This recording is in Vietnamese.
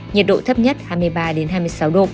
nhiệt độ thấp nhất hai mươi ba hai mươi sáu độ